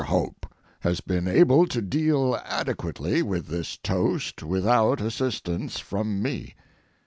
MR. HOPE has been able to deal adequately with this toast without assistance from me.